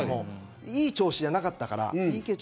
いい調子じゃなかったから。